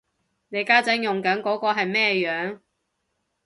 你家陣用緊嗰個係咩樣